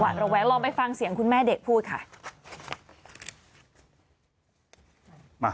ระแวงลองไปฟังเสียงคุณแม่เด็กพูดค่ะ